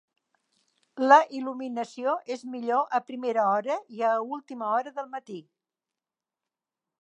La il·luminació és millor a primera hora i a última hora del matí.